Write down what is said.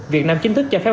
việt nam chính thức cho phép